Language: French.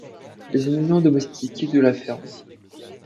Les animaux domestiqués de la ferme